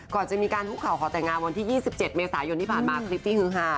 ก่อนจะมีการคุกเข่าขอแต่งงานวันที่๒๗เมษายนที่ผ่านมาคลิปที่ฮือหา